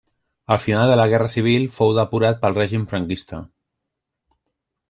Al final de la Guerra Civil fou depurat pel règim franquista.